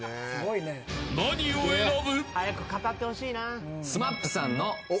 何を選ぶ。